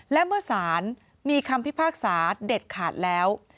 และเมื่อสารมีคำพิพากษาเด็ดขาดแล้ว